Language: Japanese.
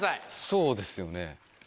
そうですよね。